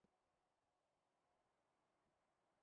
Bahati anadhihakiwa na miale ya jua